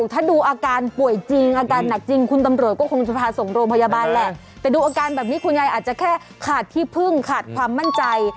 ถ้าดูอาการป่วยจริงอาการหนักจริงคุณตำรวจก็คงจะพาส่งโรงพยาบาลแหละแต่ดูอาการแบบนี้คุณยายอาจจะแค่ขาดที่พึ่งขาดความมั่นใจ